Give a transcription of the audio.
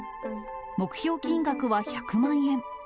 目標金額は１００万円。